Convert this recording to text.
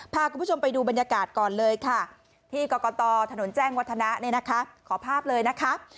พาคุณผู้ชมไปดูบรรยากาศก่อนเลยค่ะที่กรกตถนนแจ้งวัฒนะเนี่ยนะคะขอภาพเลยนะคะ